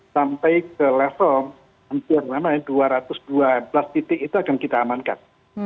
sampai ke level hampir namanya dua ratus dua belas titik itu akan kita amankan